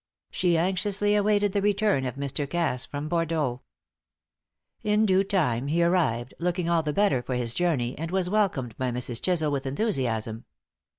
She anxiously awaited the return of Mr. Cass from Bordeaux. In due time he arrived, looking all the better for his journey, and was welcomed by Mrs. Chisel with enthusiasm.